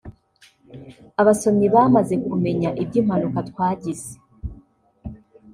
Abasomyi bamaze kumenya iby’impanuka twagize